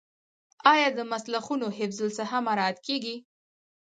آیا د مسلخونو حفظ الصحه مراعات کیږي؟